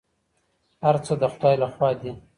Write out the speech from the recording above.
هر څه د خدای لخوا دي.